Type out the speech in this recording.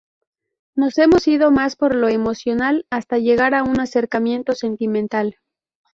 Nos hemos ido más por lo emocional, hasta llegar a un acercamiento sentimental.